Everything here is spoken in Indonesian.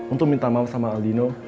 untuk minta maaf sama aldino